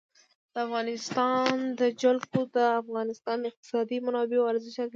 د افغانستان جلکو د افغانستان د اقتصادي منابعو ارزښت زیاتوي.